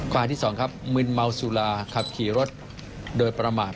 ที่สองครับมึนเมาสุราขับขี่รถโดยประมาท